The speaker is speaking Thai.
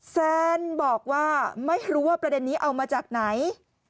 แซนบอกว่าไม่รู้ว่าประเด็นนี้เอามาจากไหน